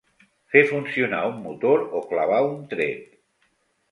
Fer funcionar un motor o clavar un tret.